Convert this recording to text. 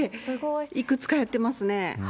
いくつかやってますね。